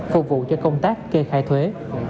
phục vụ cho công tác kê khai thuế